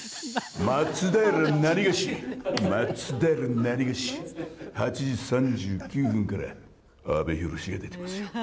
松平なにがし、松平なにがし、８時３９分から、阿部寛が出てますよ。